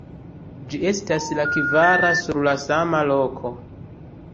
Ĝi estas la kvara sur la sama loko.